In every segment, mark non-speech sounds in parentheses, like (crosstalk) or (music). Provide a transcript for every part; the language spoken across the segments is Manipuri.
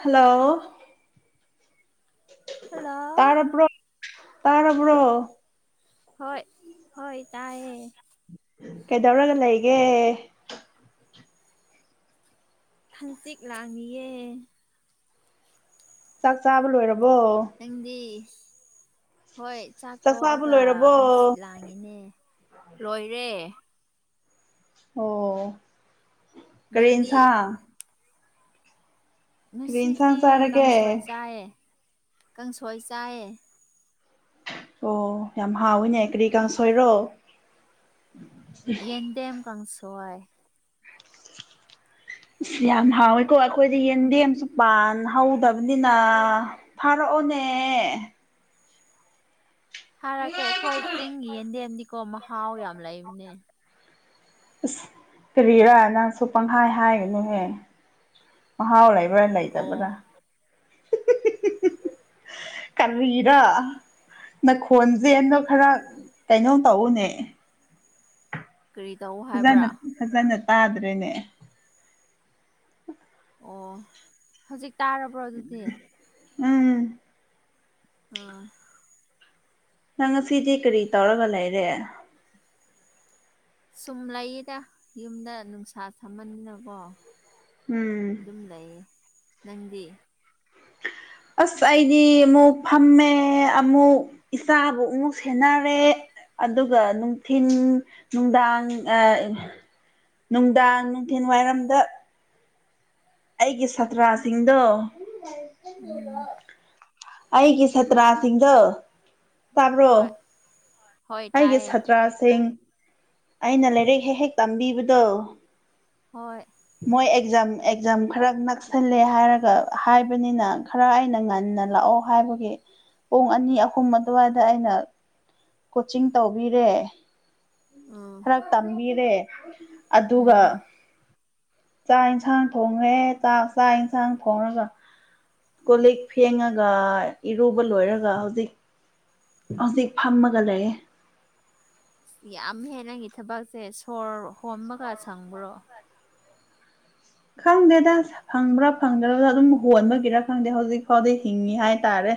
ꯍꯂꯣ ꯍꯂꯣ ꯇꯥꯔ ꯄꯨ꯭ꯔꯣ ꯍꯣꯏ ꯍꯣꯏ ꯇꯥꯏꯌꯦꯦ ꯀꯩꯗꯧꯔꯒ ꯂꯩꯒꯦ ꯍꯪꯆꯤꯠ ꯂꯥꯡꯏꯌꯦꯦ ꯆꯥꯛ ꯆꯥꯕ ꯂꯣꯏꯔ ꯍꯪꯗꯤ ꯍꯣꯏ ꯆꯥꯛ ꯆꯥꯕ ꯇꯣꯛꯑꯒ ꯂꯣꯏꯔꯕꯣ ꯍꯪꯆꯤꯠ ꯂꯥꯡꯉꯤꯅꯦ ꯂꯣꯏꯔꯦ ꯑꯣ ꯀꯔꯦ ꯏꯟꯁ ꯅꯪꯗꯤ ꯉꯁꯤꯗꯤ ꯀꯥꯡꯁꯣꯏ ꯆꯥꯔꯒꯦ ꯆꯥꯏꯑ ꯀꯥꯡꯁꯣꯏ ꯆꯥꯏꯑ ꯑꯣ ꯌꯥꯝ ꯍꯥꯎꯋꯤꯅꯦ ꯀꯔꯤ ꯀꯥꯡ ꯁꯣꯏꯔꯣ ꯌꯦꯟꯗꯦꯝ ꯀꯥꯡꯪꯁꯥꯏ ꯑ ꯌꯥꯝ ꯍꯥꯎꯋꯦꯀꯣ ꯑꯩꯈꯣꯏꯗꯤ ꯌꯦꯟꯗꯦꯝꯁꯨ ꯄꯥꯟ ꯍꯧꯗꯕꯅꯤꯅ ꯐꯥꯔꯛꯑꯣ ꯄꯨꯅꯦ ꯊꯥꯔꯛꯀꯦ ꯑꯩꯈꯣꯏ ꯆꯤꯡꯒꯤ ꯌꯦꯟꯗꯦꯝꯗꯤꯀꯣ ꯃꯍꯥꯎ ꯌꯥꯝ ꯂꯩꯕꯅꯦ ꯑꯁ ꯀꯔꯤꯔꯥ ꯅꯪꯁꯨ ꯄꯪꯈꯥꯏ ꯍꯥꯏꯒꯅꯨꯍꯦ ꯃꯍꯥꯎ ꯂꯩꯕ ꯂꯏꯗꯕꯔ ꯑꯣ ꯀꯟꯕꯤ ꯂꯤꯗ ꯅꯈꯣꯟꯁꯦ ꯑꯗꯣ ꯈꯔ ꯀꯩꯅꯣ ꯇꯧꯎꯅꯦ ꯀꯔꯤ ꯇꯧ ꯍꯥꯏꯕ꯭ꯔꯥ ꯐꯖꯅ ꯐꯖꯅ ꯇꯥꯗ꯭ꯔꯦꯅꯦ ꯑꯣ ꯍꯧꯖꯤꯛ ꯇꯥꯔꯕ꯭ꯔꯣ ꯑꯗꯨꯗꯤ ꯎꯝ ꯑꯥ ꯅꯪ ꯉꯁꯤꯁꯦ ꯀꯔꯤ ꯇꯧꯔꯒ ꯂꯩꯔꯦ ꯁꯨꯝ ꯂꯩꯌꯦꯗ ꯌꯨꯝꯗ ꯅꯨꯡꯁꯥ ꯊꯝꯃꯟꯅꯤꯀꯣ ꯎꯝ ꯑꯗꯨꯝ ꯂꯩꯌꯦ ꯅꯪꯗꯤ (inaudible) ꯑꯁ ꯑꯩꯗꯤ ꯑꯃꯨꯛ ꯐꯝꯃꯦ ꯑꯃꯨꯛ ꯏꯆꯥꯕꯨ ꯑꯃꯨꯛ ꯁꯦꯟꯅꯔꯦ ꯑꯗꯨꯒ ꯅꯨꯡꯊꯤꯤꯟ ꯅꯨꯡꯗꯥꯡ ꯅꯨꯡꯗꯥꯡ ꯅꯨꯡꯊꯜ ꯋꯥꯏꯔꯝꯗ ꯑꯩꯒꯤ ꯁꯥꯇ꯭ꯔꯥꯁꯤꯡꯗꯣ ꯎꯝ ꯑꯩꯒꯤ ꯁꯇ꯭ꯔꯥꯁꯤꯡꯗ ꯇꯥꯕ꯭ꯔꯣ ꯍꯣꯏ ꯍꯣꯏ ꯑꯩꯒꯤ ꯇꯥꯏꯌꯦ ꯁꯥꯇ꯭ꯔꯁꯤꯡ ꯑꯩꯅ ꯂꯥꯏꯔꯤꯛ ꯍꯦꯛ ꯍꯦꯛ ꯇꯝꯕꯤꯕꯗꯣ ꯍꯣꯏ ꯃꯣꯏ ꯑꯦꯛꯖꯥꯝ ꯑꯦꯛꯖꯥꯝ ꯈꯔ ꯅꯛꯁꯜꯂꯦ ꯍꯥꯏꯔꯒ ꯍꯥꯏꯕꯅꯤꯅ ꯈꯔ ꯑꯩꯅ ꯉ ꯂꯥꯛꯑꯣ ꯍꯥꯏꯕꯒꯤ ꯄꯨꯡ ꯑꯅꯤ ꯑꯍꯨꯝ ꯑꯗꯨꯋꯥꯏꯗ ꯑꯩꯅ ꯀꯣꯆꯤꯡ ꯇꯧꯕꯤꯔꯦ ꯎꯝ ꯈꯔ ꯇꯝꯕꯤꯔꯦ ꯑꯗꯨꯒ ꯎꯝ ꯆꯥꯛ ꯌꯦꯟꯁꯥꯡ ꯊꯣꯡꯉꯦ ꯆꯥꯛ ꯆꯥꯛ ꯌꯦꯟꯁꯥꯡ ꯊꯣꯡꯉꯒ ꯀꯣ ꯂꯤꯛ ꯐꯦꯡꯉꯒ ꯏꯔꯨꯕ ꯂꯣꯏꯔꯒ ꯍꯧꯖꯤꯛ ꯍꯧꯖꯤꯛ ꯐꯝꯃꯒ ꯂꯩꯌꯦ ꯌꯥꯝꯍꯦ ꯅꯪꯒꯤ ꯊꯕꯛꯁꯦ ꯁꯣꯔ ꯍꯣꯝꯕꯒ ꯁꯪꯕ꯭ꯔꯣ ꯈꯪꯗꯦꯗ ꯐꯪꯕ꯭ꯔꯥ ꯐꯪꯗ꯭ꯔꯗ ꯑꯗꯨꯝ ꯍꯣꯟꯕꯒꯤꯔ ꯈꯪꯗꯦ ꯍꯧꯖꯤꯛ ꯐꯥꯎꯗꯤ ꯍꯤꯡꯉꯤ ꯍꯥꯏꯇꯥꯔꯦ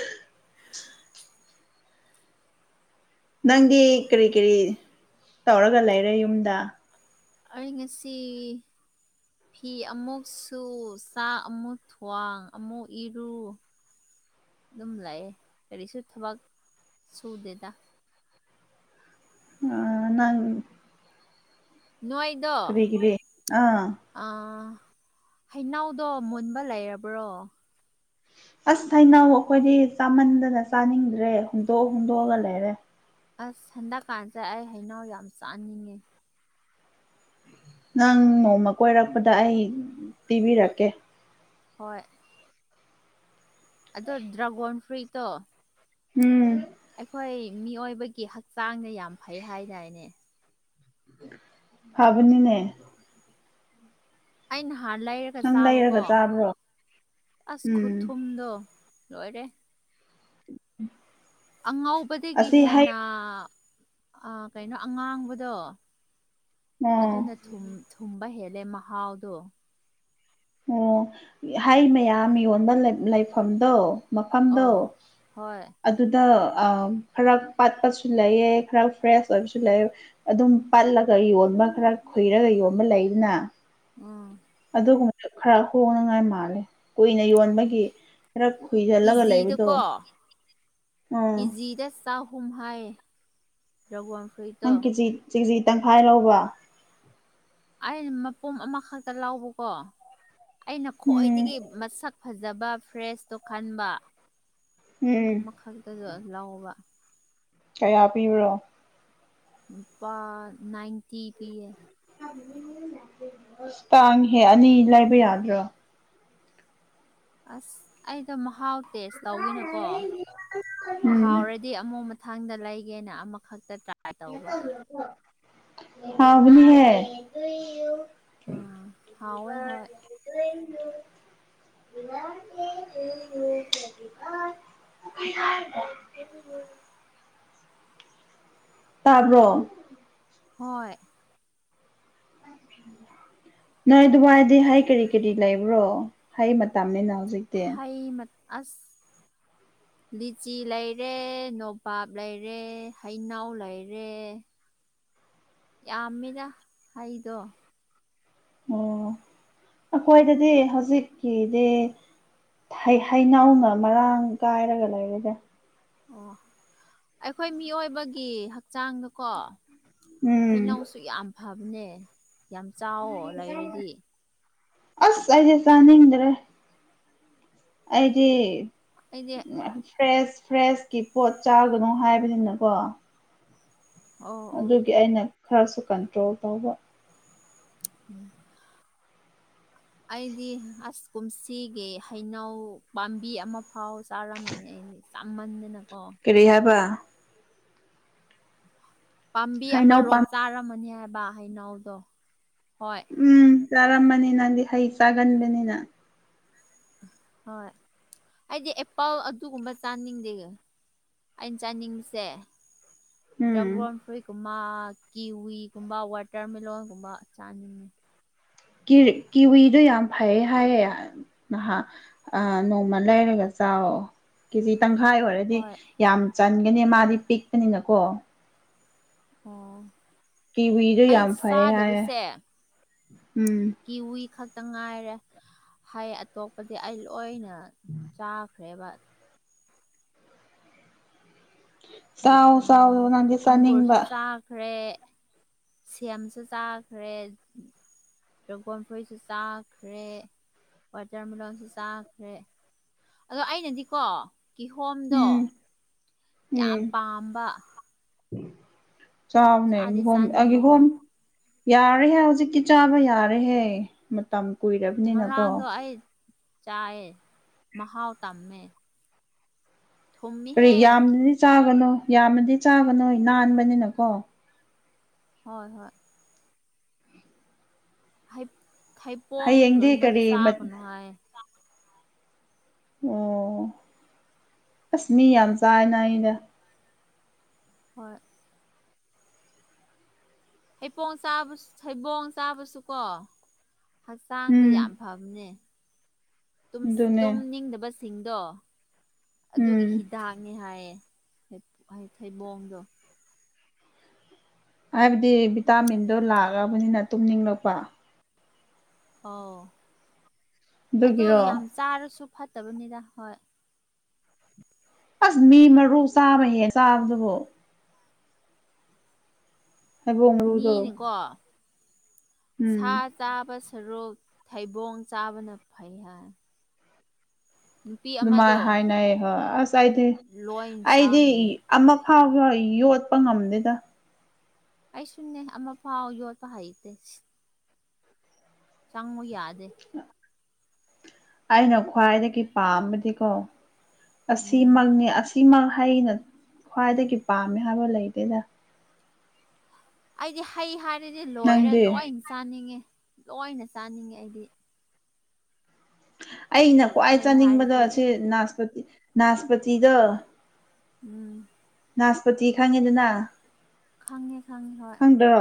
(unintelligible) ꯅꯪꯗꯤ ꯀ꯭ꯔꯤ ꯀ꯭ꯔꯤ ꯇꯧꯔꯒ ꯂꯩꯔꯦ ꯌꯨꯝꯗ ꯑꯩ ꯉꯁꯤ ꯐꯤ ꯑꯃꯨꯛ ꯁꯨ ꯆꯥꯛ ꯑꯃꯨꯛ ꯊ꯭ꯋꯥꯡ ꯑꯃꯨꯛ ꯏꯔꯨ (inaudible) ꯑꯗꯨꯝ ꯂꯥꯛꯑꯦ ꯀꯔꯤꯁꯨ ꯊꯕꯛ ꯁꯨꯗꯦꯗ ꯑ ꯅꯪ ꯅꯣꯏꯗꯣ ꯀꯔꯤ ꯀꯔꯤ ꯑꯥ ꯑꯥ ꯍꯩꯅꯎꯗꯣ ꯃꯨꯟꯕ ꯂꯩꯔꯕ꯭ꯔꯣ ꯑꯁ ꯊꯩꯅꯧ ꯑꯈꯣꯏꯗꯤ ꯆꯥꯃꯟꯗꯅ ꯆꯥꯅꯤꯡꯗ꯭ꯔꯦ ꯍꯨꯟꯗꯣꯛ ꯍꯨꯟꯗꯣꯛꯑꯒ ꯂꯩꯔꯦ ꯑꯁ ꯍꯟꯗꯛꯀꯥꯟꯁꯦ ꯑꯩ ꯍꯩꯅꯧ ꯌꯥꯝ ꯆꯥꯅꯤꯡꯉꯦ ꯅꯪ ꯅꯣꯡꯃ ꯀꯣꯏꯔꯛꯄꯗ ꯑꯩ ꯄꯤꯕꯤꯔꯛꯀꯦ ꯍꯣꯏ ꯑꯗꯣ ꯗ꯭ꯔꯒꯣꯟ ꯐ꯭ꯔꯨꯏ ꯇꯣ ꯎꯝ ꯑꯩꯈꯣꯏ ꯃꯤꯑꯣꯏꯕꯒꯤ ꯍꯛꯆꯥꯡꯗ ꯌꯥꯝ ꯐꯩ ꯍꯥꯏꯗꯥꯏꯅꯦ ꯐꯕꯅꯤꯅꯦ ꯑꯩ ꯅꯍꯥꯟ ꯂꯩꯔꯒ ꯅꯪ ꯂꯩꯔꯒ ꯆꯥꯕꯀꯣ ꯆꯥꯕ꯭ꯔꯣ ꯑꯁ ꯎꯝ ꯈꯨꯊꯨꯝꯗꯣ ꯂꯣꯏꯔꯦ (unintelligible) ꯑꯉꯧꯕꯗꯒꯤ ꯑꯁꯤ ꯍꯩ ꯍꯦꯟꯅ ꯀꯩꯅꯣ ꯑꯉꯥꯡꯕꯗꯣ ꯑꯣ ꯑꯗꯨꯅ ꯊꯨꯝ ꯊꯨꯝꯕ ꯍꯦꯜꯂꯦ ꯃꯍꯥꯎꯗꯣ ꯑꯣ ꯍꯩ ꯃꯌꯥꯝ ꯌꯣꯟꯕ ꯂꯩꯠ ꯂꯩꯐꯝꯗꯣ ꯃꯐꯝꯗꯣ ꯑꯧ ꯍꯣꯏ ꯑꯗꯨꯗ ꯑ ꯈꯔ ꯄꯠꯄꯁꯨ ꯂꯩꯌꯦ ꯈꯔ ꯐ꯭ꯔꯦꯁ ꯑꯣꯏꯕꯁꯨ ꯂꯩ ꯑꯗꯨꯝ ꯄꯠꯂꯒ ꯌꯣꯟ ꯑꯃ ꯈꯔ ꯈꯨꯨꯏꯔꯒ ꯌꯣꯟꯕ ꯂꯩꯗꯅ ꯎꯝ ꯑꯗꯨꯒꯨꯝꯕꯗ ꯈꯔ ꯍꯣꯡꯅꯉꯥꯏ ꯃꯥꯜꯂꯦ ꯀꯨꯏꯅ ꯌꯣꯟꯕꯒꯤ ꯈꯔ ꯈꯨꯏꯖꯜꯂꯒ ꯂꯩꯕꯗꯣ ꯀꯦꯖꯤꯗꯀꯣ ꯎꯝ ꯀꯦꯖꯤꯗ (unintelligible) ꯅꯪ ꯀꯦꯖꯤ ꯆꯤꯛꯖꯤ ꯇꯪꯈꯥꯏ ꯂꯧꯕ꯭ꯔꯥ ꯑꯩꯅ ꯃꯄꯨꯝ ꯑꯃꯈꯛꯇ ꯂꯧꯕꯀꯣ ꯑꯩꯅ ꯎꯝ ꯈꯣꯏꯗꯒꯤ ꯃꯁꯛ ꯐꯖꯕ ꯐ꯭ꯔꯦꯁꯇꯣ ꯈꯟꯕ ꯎꯝ ꯑꯃꯈꯛꯇꯁꯨ ꯂꯧꯕ ꯀꯌꯥ ꯄꯤꯕ꯭ꯔꯥ ꯂꯨꯄꯥ ꯅꯥꯏꯟꯇꯤ ꯄꯤ ꯌꯦ ꯇꯥꯡꯉꯦꯍꯦ ꯑꯅꯤ ꯂꯩꯕ ꯌꯥꯗ꯭ꯔꯣ ꯑꯁ ꯑꯩꯗꯣ ꯃꯍꯥꯎ ꯇꯦꯁ ꯇꯧꯒꯦꯅꯀꯣ ꯎꯝ ꯍꯥꯎꯔꯗꯤ ꯑꯃꯨꯛ ꯃꯠ ꯃꯊꯪꯗ ꯂꯩꯒꯦꯅ ꯑꯃꯈꯛꯇ ꯇ꯭ꯔꯥꯏ ꯇꯧꯕ ꯍꯥꯎꯕꯅꯤꯍꯦ ꯎꯝ ꯍꯥꯎꯋꯦ ꯍꯣꯏ (unintelligible) (unintelligible) (unintelligible) ꯇꯥꯕ꯭ꯔꯣ ꯍꯣꯏ ꯑꯣ ꯅꯣꯏ ꯑꯗꯨꯏꯗꯤ ꯍꯥꯏ ꯀꯔꯤ ꯀꯔꯤ ꯂꯩꯕ꯭ꯔꯣ ꯍꯥꯏ ꯃꯇꯝꯅꯤꯅ ꯍꯧꯖꯤꯛꯇꯤ ꯍꯌꯃꯠ ꯑꯁ ꯎ ꯂꯤꯆꯤ ꯂꯩꯔꯦ ꯅꯣꯄꯥꯞ ꯂꯩꯔꯦ ꯍꯩꯅꯎ ꯂꯩꯔꯦ ꯌꯥꯝꯃꯤꯅ ꯍꯗꯣ ꯑꯣ ꯑꯩꯈꯣꯏꯗꯗꯤ ꯍꯧꯖꯤꯛꯀꯤꯗꯤ ꯍꯩꯅꯧꯅ ꯃꯔꯥꯡ ꯀꯥꯏꯔꯒ ꯂꯩꯔꯁꯦ ꯑꯣ ꯑꯩꯈꯣꯏ ꯃꯤꯑꯣꯏꯕꯒꯤ ꯍꯛꯆꯥꯡꯗꯀꯣ ꯎꯝ ꯍꯩꯅꯧꯁꯨ ꯌꯥꯝ ꯐꯕꯅꯦ ꯌꯥꯝ ꯆꯥꯎꯋꯣ ꯂꯩꯔꯗꯤ ꯑꯁ ꯑꯩꯗꯤ ꯆꯅꯤꯡꯗ꯭ꯔꯦ ꯑꯩꯗꯤ ꯑꯗꯤ ꯐ꯭ꯔꯦꯁ ꯐ꯭ꯔꯦꯁꯀꯤ ꯄꯣꯠ ꯆꯥꯒꯅꯨ ꯍꯥꯏꯕꯅꯤꯅꯀꯣ ꯑꯣ ꯑꯣ ꯑꯗꯨꯒꯤ ꯑꯩꯅ ꯈꯔꯁꯨ ꯀꯟꯇ꯭ꯔꯣꯜ ꯇꯧꯕ ꯎꯝ ꯑꯩꯗꯤ ꯑꯁ ꯀꯨꯝꯁꯤꯒꯤ ꯍꯩꯅꯧ ꯄꯥꯝꯕꯤ ꯑꯃ ꯐꯥꯎ ꯆꯥꯔꯝꯕꯅꯤ ꯑꯩ ꯁꯃꯥꯅꯅ ꯀꯦꯔꯤ ꯍꯥꯏꯕ ꯄꯥꯝꯕꯤ ꯍꯩꯅꯧ ꯑꯃꯔꯣꯝ ꯄꯥꯝ ꯆꯥꯔꯝꯃꯅꯤ ꯍꯥꯏꯕ ꯍꯩꯅꯎꯗꯣ ꯎꯝ ꯆꯥꯔꯝꯕꯅꯤ ꯅꯪꯗꯤ ꯍꯩ ꯆꯥꯒꯟꯕꯅꯤꯅ ꯍꯣꯏ ꯑꯩꯗꯤ ꯑꯦ ꯄꯥꯎ ꯑꯗꯨꯒꯨꯝꯕ ꯆꯥꯅꯤꯡꯗꯦ ꯑꯩꯅ ꯆꯥꯅꯤꯡꯕꯁꯦ ꯎꯝ ꯗ꯭ꯔꯥꯒꯣꯟ ꯐ꯭ꯔꯨꯏꯀꯨꯝꯕ ꯀꯤꯋꯤꯒꯨꯝꯕ ꯋꯥꯇꯔꯃꯦꯂꯣꯟꯒꯨꯝꯕ ꯆꯥꯅꯤꯡꯉꯤ ꯀꯤꯋꯤꯗꯨꯣ ꯌꯥꯝ ꯐꯩꯌꯦ ꯍꯥꯏꯌꯦ ꯅꯍꯥꯛ ꯅꯣꯡꯃ ꯂꯩꯔꯒꯁꯦ ꯆꯥꯎꯑꯣ ꯀꯖꯤ ꯇꯪꯈꯥꯏ ꯑꯣꯏꯔꯗꯤ ꯍꯣꯏ ꯌꯥꯝ ꯆꯟꯒꯅꯤ ꯃꯥꯗꯤ ꯄꯤꯛꯄꯅꯤꯅꯀꯣ ꯑꯣ ꯀꯕꯤꯖ ꯑꯩ ꯌꯥꯝꯝ ꯐꯥꯏ ꯍꯥꯏ ꯆꯥꯗꯕꯁꯦ ꯀꯤꯋꯤ ꯈꯛꯇ ꯉꯥꯏꯔꯦ ꯍꯩ ꯑꯇꯣꯞꯄꯗꯤ ꯑꯩ ꯂꯣꯏꯅ ꯆꯥꯛ ꯔꯦꯕꯠ ꯆꯥꯎ ꯑꯣ ꯆꯥꯎ ꯅꯪꯗꯤ ꯑꯪꯒꯨꯔꯁꯨ ꯆꯥꯅꯤꯡꯕ ꯆꯥꯈ꯭ꯔꯦ ꯁꯦꯝꯁꯨ ꯆꯥꯈ꯭ꯔꯦ ꯗ꯭ꯔꯒꯣꯣꯟ ꯐꯨꯔꯤꯁꯨ ꯆꯥꯈ꯭ꯔꯦ ꯋꯥꯇꯔꯃꯤꯂꯂꯣꯟꯁꯨ ꯆꯥꯈ꯭ꯔꯦ ꯑꯗꯣ ꯑꯩꯅꯗꯤꯀꯣ ꯀꯤꯍꯣꯝꯗꯣ ꯎꯝ ꯌꯥꯝ ꯄꯥꯝꯕ ꯆꯥꯗꯤ ꯆꯥꯎꯥꯅꯦꯍꯣ ꯆꯥꯅꯤꯡꯕꯀꯣ ꯑꯒꯤꯦꯍꯣꯝ ꯌꯥꯔꯦꯍꯦ ꯍꯧꯖꯤꯛꯇꯤ ꯆꯥꯕ ꯌꯥꯔꯦꯍꯦ ꯃꯇꯝ ꯀꯨꯏꯔꯕꯅꯤꯅꯀꯣ ꯆꯥꯏ ꯃꯍꯍꯥꯎ ꯇꯝꯃꯦ ꯀꯔꯤ ꯊꯨꯝꯃꯤꯍꯦ ꯌꯥꯝꯅꯗꯤ ꯆꯥꯒꯅꯣ ꯌꯥꯝꯅꯗꯤ ꯆꯥꯒꯅꯣ ꯅꯥꯟꯕꯅꯤꯅꯀꯣ ꯍꯣꯏ ꯍꯣꯏ ꯍꯌꯦꯡꯗꯤ ꯍꯩꯄꯣꯡꯒꯨꯝꯕꯁꯦ ꯀꯔꯤ ꯃꯠ ꯆꯥꯒꯅꯨ ꯍꯥꯏ ꯑꯣ ꯑꯁ ꯃꯤ ꯌꯥꯝ ꯆꯥꯏꯅ ꯑꯩꯩꯅ ꯍꯣꯏ ꯍꯩꯕꯣꯡ ꯆꯥ ꯍꯩꯕꯣꯡ ꯆꯥꯕꯁꯨꯀꯣ ꯍꯛꯆꯥꯡꯗ ꯎꯝ ꯌꯥꯝ ꯐꯕꯅꯦ ꯑꯗꯨꯅꯦ ꯇꯨꯝꯅꯤꯡꯗꯕꯁꯤꯡꯗꯣ ꯑꯗꯨꯒꯤ ꯎꯝ ꯍꯤꯗꯥꯛꯅꯤ ꯍꯥꯏꯌꯦ ꯊꯩꯕꯣꯡꯗꯣ ꯍꯥꯏꯕꯗꯤ ꯚꯤꯇꯥꯃꯤꯟꯗꯣ ꯂꯥꯛꯑꯕꯅꯤꯅ ꯇꯨꯝꯅꯤꯡꯂꯛꯄ ꯑꯣ ꯑꯗꯨꯣ ꯑꯗꯨꯒꯤꯔꯣ ꯌꯥꯝ ꯆꯥꯔꯁꯨ ꯐꯠꯇꯕꯅꯤꯗ ꯍꯣꯏ ꯑꯁ ꯃꯤ ꯃꯔꯨ ꯆꯥꯕ ꯍꯦ ꯆꯥꯕꯗꯨꯕꯨ ꯊꯩꯕꫭꯡ ꯃꯔꯨꯗꯣ ꯃꯤꯅꯀꯣ ꯎꯝ ꯁꯥ ꯆꯥꯕ ꯁꯔꯨꯛ ꯊꯩꯕꯣꯡ ꯆꯥꯕꯅ ꯐꯩ ꯍꯥꯏ ꯅꯨꯄꯤ ꯑꯃꯗꯣ ꯑꯗꯨꯃꯥꯏꯅ ꯍꯥꯏꯅꯩ ꯍꯣꯏ ꯑꯁ ꯑꯩꯗꯤ ꯂꯣꯏ ꯑꯩꯗꯤ ꯆꯥꯈꯤꯌꯦ ꯑꯃ ꯐꯕ꯭ꯔꫭ ꯌꯣꯠꯄ ꯉꯝꯗꯦꯗ ꯑꯩꯁꯨꯅꯦ ꯑꯃꯐꯥꯎ ꯌꯣꯠꯄ ꯍꯩꯇꯦ ꯆꯪꯉꫭ ꯌꯥꯗꯦ ꯑꯩꯅ ꯈ꯭ꯋꯥꯏꯗꯒꯤ ꯄꯥꯝꯕꯗꯤꯀꯣ ꯎꯝ ꯑꯁꯤꯃꯛꯅꯤ ꯑꯁ ꯁꯤꯃꯛ ꯑꯩꯅ ꯈ꯭ꯋꯥꯏꯗꯒꯤ ꯄꯥꯝꯃꯦ ꯍꯥꯏꯕ ꯂꯩꯗꯦꯗ ꯑꯩꯗꯤ ꯍꯩ ꯍꯥꯏꯔꯗꯤ ꯂꯣꯏꯔꯦ ꯅꯪꯗꯤ ꯂꯣꯏ ꯆꯥꯅꯤꯡꯉꯦ ꯂꯣꯏꯅ ꯆꯥꯅꯤꯡꯉꯦ ꯑꯩꯗꯤ ꯑꯩꯅ ꯈ꯭ꯋꯥꯏ ꯍꯩ ꯆꯥꯅꯤꯡꯕꯗ ꯍꯥꯏꯔꯗꯤ ꯁꯤ ꯅꯥꯁꯄꯇꯤ ꯅꯥꯁꯄꯇꯤꯗ ꯎꯝ ꯅꯥꯁꯄꯇꯤ ꯈꯪꯉꯦꯗꯅ ꯈꯪꯉꯦ ꯈꯪꯉꯦ ꯍꯣꯏ ꯈꯪꯗ꯭ꯔꯣ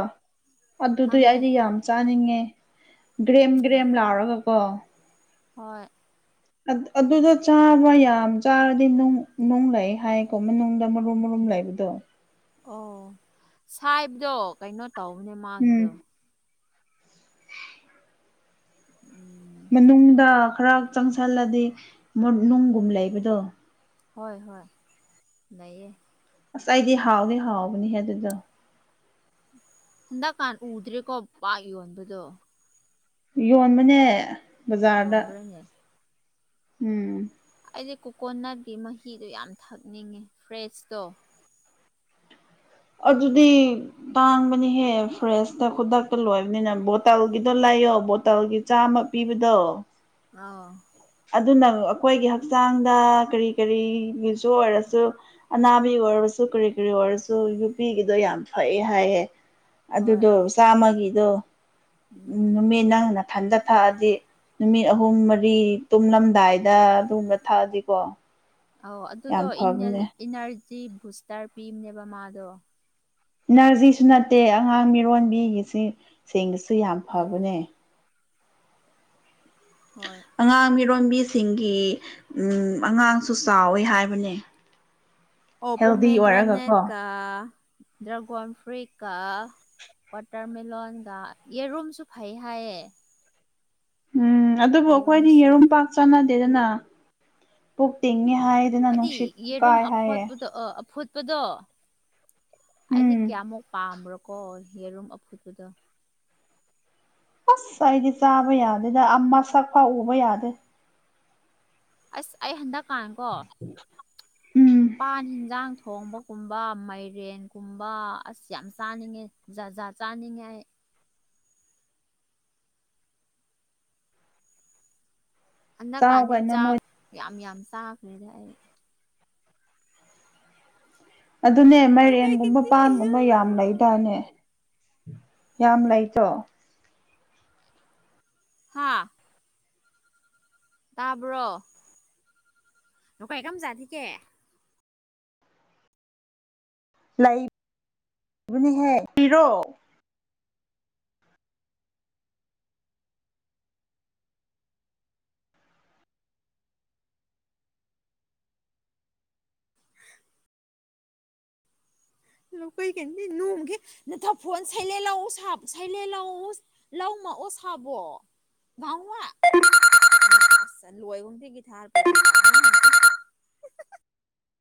ꯑꯗꯨꯗꯤ ꯈꯪꯉꯦ ꯑꯩꯗꯤ ꯌꯥꯝ ꯆꯥꯅꯤꯡꯉꯦ ꯒ꯭ꯔꯦꯝ ꯎꯝ ꯒ꯭ꯔꯦꯝ ꯂꯥꯎꯔꯒ ꯀꯣ ꯍꯣꯏ ꯑꯗꯨꯗ ꯆꯥꯕ ꯌꯥꯝ ꯆꯥꯔꯗꯤ ꯅꯨꯡ ꯅꯨꯡ ꯂꯩ ꯍꯥꯌꯦꯀꯣ ꯃꯅꯨꯡꯗ ꯃꯔꯨ ꯃꯔꯨꯝ ꯂꯩꯕꯗꯣ ꯑꯣ ꯁꯥꯏꯕꯗꯣ ꯀꯩꯅꯣ ꯇꯧꯕꯅꯦ ꯎꯝ ꯃꯥꯒꯤꯗꯣ ꯎꯝ ꯃꯅꯨꯡꯗ ꯈꯔ ꯆꯪꯁꯜꯂꯗꯤ ꯅꯨꯡꯒꯨꯝ ꯂꯩꯕꯗꯣ ꯍꯣꯏ ꯍꯣꯏ ꯂꯩꯌꯦ ꯑꯁ ꯑꯩꯗꯤ ꯍꯥꯎꯗꯤ ꯍꯥꯎꯕꯅꯤꯍꯦ ꯑꯗꯨꯗꯣ ꯍꯟꯗꯛꯀꯥꯟ ꯎꯗ꯭ꯔꯦꯀꯣ ꯄꯥꯛ ꯌꯣꯟꯕꯗꯣ ꯌꯣꯟꯕꯅꯦ ꯕꯖꯥꯔꯗ ꯌꯣꯟꯕ꯭ꯔꯅꯦ ꯎꯝ ꯑꯩꯗꯤ ꯀꯣꯀꯣꯅꯠꯀꯤ ꯃꯍꯤꯗꯣ ꯌꯥꯝ ꯊꯛꯅꯤꯡꯉꯦ ꯐ꯭ꯔꯦꯁꯇꯣ ꯑꯗꯨꯗꯤ ꯇꯥꯡꯕꯅꯤꯍꯦ ꯐ꯭ꯔꯦꯁꯇ ꯈꯨꯗꯛꯇ ꯂꯣꯏꯕꯅꯤꯅ ꯕꯣꯇꯜꯒꯤꯗ ꯂꯩ ꯌꯣ ꯕꯣꯇꯜꯒꯤ ꯆꯥꯝꯃ ꯄꯤꯕꯗꯣ ꯑꯧ ꯑꯗꯨꯅ ꯑꯩꯈꯣꯏꯒꯤ ꯍꯛꯆꯥꯡꯗ ꯀꯔꯤ ꯀꯔꯤꯒꯤꯁꯨ ꯑꯣꯏꯔꯁꯨ ꯑꯅꯥꯕꯤ ꯑꯣꯏꯔ ꯁꯨ ꯀꯔꯤ ꯀꯔꯤ ꯑꯣꯏꯔꯁꯨ ꯌꯨꯄꯤꯒꯤꯗꫭ ꯌꯥꯝ ꯐꯩꯌꯦ ꯍꯥꯏꯌꯦ ꯍꯣꯏ ꯑꯗꯨꯗꯣ ꯆꯥꯝꯃꯒꯤꯗꯣ ꯎꯝ ꯅꯨꯃꯤꯠ ꯅꯪꯅ ꯏꯊꯟꯗ ꯊꯛꯑꯗꯤ ꯅꯨꯃꯤꯠ ꯑꯍꯨꯝ ꯃꯔꯤ ꯇꯨꯝꯂꯝꯗꯥꯏꯗ ꯑꯗꯨꯒꯨꯝꯕ ꯊꯛꯑꯗꯤꯀꯣ ꯑꯣ ꯑꯗꯨꯗꯣ ꯌꯥꯝ ꯐꯕꯅꯦ ꯏꯅꫪꯖꯤ ꯕꯨꯁꯇ ꯄꯤꯕꯅꯦꯕ ꯃꯥꯗꯣ ꯏꯅꫪꯖꯤꯁꯨ ꯅꯠꯇꯦ ꯑꯉꯥꯡ ꯃꯤꯔꯣꯟꯕꯤꯒꯤ ꯁꯦ ꯁꯦꯡꯗꯁꯨ ꯌꯥꯝ ꯑꯣ ꯐꯕꯅꯦ ꯍꯣꯏ ꯑꯉꯥꯡ ꯃꯤꯔꫭꯟ ꯃꯤꯔꯣꯟꯕꯤꯁꯤꯡꯒꯤ ꯎꯝ ꯑꯉꯥꯡꯁꯨ ꯆꯥꯎꯋꯦ ꯍꯥꯏꯕꯅꯦ ꯑꯣ ꯍꯦꯜꯗꯤ ꯑꯣꯏꯔꯒꯀꯣ ꯄꯣꯃꯦꯒ꯭ꯔꯥꯅꯦꯠꯀ ꯗ꯭ꯔꯥꯒꯣꯟ ꯐ꯭ꯔꯨꯏꯠꯀ ꯋꯥꯇꯔꯃꯦꯂꯣꯟꯒ ꯌꯦꯔꯨꯝꯁꯨ ꯐꯩ ꯍꯥꯏꯌꯦ ꯎꯝ ꯑꯗꯨꯕꯨ ꯑꯩꯈꯣꯏꯗꯤ ꯌꯦꯔꯨꯝꯁꯨ ꯌꯦꯔꯨꯝ ꯄꯥꯛ ꯆꯥꯅꯗꯦꯗꯅ ꯄꯨꯛ ꯇꯤꯡꯉꯦ ꯍꯥꯏꯗꯅ ꯍꯥꯏꯗꯤ ꯅꯨꯡꯁꯤꯠ ꯌꯦꯔꯨꯝ ꯀꯥꯏ ꯍꯥꯏꯌꯦ ꯑꯐꯣꯠꯄꯗꯣ ꯑ ꯑꯐꯨꯠꯄꯗꯣ ꯑꯩꯗꯤ ꯎꯝ ꯀꯌꯥꯃꯨꯛ ꯄꯥꯝꯕ꯭ꯔꯣꯀꯣ ꯌꯦꯔꯨꯝ ꯑꯐꯨꯠꯄꯗꫭ ꯑꯁ ꯑꯩꯗꯤ ꯆꯥꯕ ꯌꯥꯗꯦꯗ ꯑꯥ ꯃꯁꯛ ꯐꯥꯎ ꯎꯕ ꯌꯥꯗꯦ ꯑꯁ ꯑꯩ ꯍꯟꯗꯛꯀꯥꯟꯀꯣ ꯎꯝ ꯄꯥꯟ ꯍꯤꯟꯖꯥꯡ ꯊꯣꯡꯕ ꯀꯨꯝꯕ ꯃꯥꯏꯔꯦꯟꯒꯨꯝꯕ ꯑꯁ ꯌꯥꯝ ꯆꯥꯅꯤꯡꯉꯦ ꯖꯥ ꯖꯥꯠ ꯆꯥꯅꯤꯡꯉꯦ ꯑꯩ ꯆꯥꯎ ꯍꯟꯗꯛꯀꯥꯟꯗꯤ ꯀꯩꯅꯣ ꯅꯣꯏ ꯆꯥꯛ ꯌꯥꯝ ꯌꯥꯝ ꯆꯥꯈ꯭ꯔꯦꯗ ꯑꯩ ꯑꯗꯨꯅꯦ ꯃꯥꯏꯔꯦꯟꯒꯨꯝꯕ ꯄꯥꯟꯒꯨꯝꯕ ꯌꯥꯝ ꯂꯩꯗꯥꯅꯦ ꯌꯥꯝ ꯂꯩꯇ꯭ꯔꫭ ꯍꯥꯥ ꯇꯥꯕ꯭ꯔꯣ (unintelligible) ꯂꯩꯕꯅꯤꯍꯦ ꯄꯤꯔꯣ (unintelligible) ꯑꯣꯁꯕꯣ (unintelligible) (unintelligible) (inaudible)